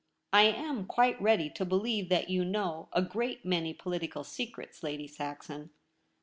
' I am quite ready to believe that you know a great many political secrets, Lady Saxon.